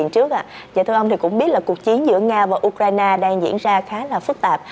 thưa ạ thì cũng biết là cuộc chiến giữa nga và ukraine đang diễn ra khá là phức tạp